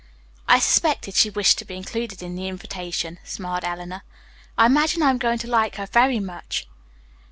"I suspected she wished to be included in the invitation," smiled Eleanor. "I imagine I am going to like her very much."